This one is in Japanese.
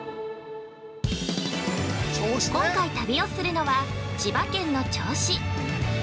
今回、旅をするのは千葉県の銚子。